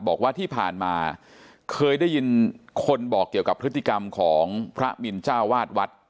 บอกว่าที่ผ่านมาเคยได้ยินคนบอกเกี่ยวกับพฤติกรรมของพระมินเจ้าวาดวัด